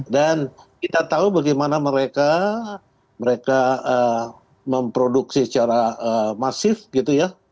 dan kita tahu bagaimana mereka memproduksi secara masif gitu ya